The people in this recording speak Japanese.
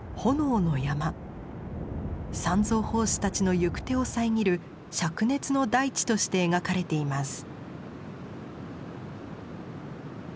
三蔵法師たちの行く手を遮る灼熱の大地として描かれています。